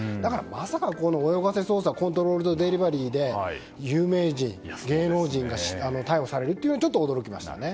まさか泳がせ捜査コントロールドデリバリーで有名人、芸能人が逮捕されるというのはちょっと驚きましたね。